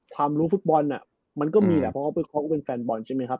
ความรู้ฟุตบอลมันก็มีแหละเพราะเขาก็เป็นแฟนบอลใช่ไหมครับ